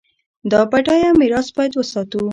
دا بډایه میراث باید وساتو.